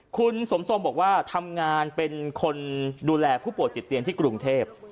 คุณสมทรงบอกว่าทำงานเป็นคนดูแลผู้ป่วยติดเตียงที่กรุงเทพ